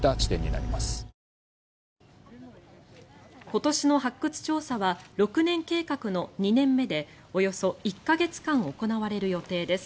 今年の発掘調査は６年計画の２年目でおよそ１か月間行われる予定です。